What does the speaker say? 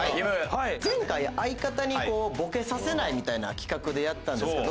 前回相方にボケさせないみたいな企画でやったんですけど。